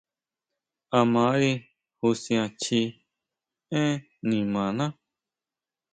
A mari jusian chji énn nimaná.